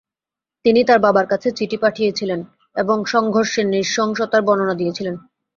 তিনি তার বাবার কাছে চিঠি পাঠিয়েছিলেন এবং সংঘর্ষের নৃশংসতার বর্ণনা দিয়েছিলেন।